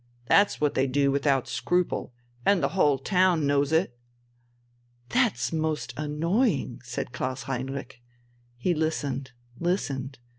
That's what they do without scruple, and the whole town knows it...." "That's most annoying!" said Klaus Heinrich. He listened, listened.